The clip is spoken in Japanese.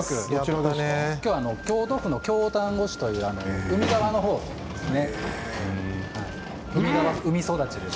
京都府の京丹後市という海側のほうです。